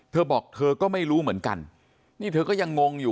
เธอบอกเธอก็ไม่รู้เหมือนกันนี่เธอก็ยังงงอยู่